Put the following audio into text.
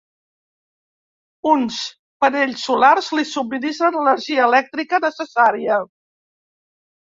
Uns panells solars li subministren l'energia elèctrica necessària.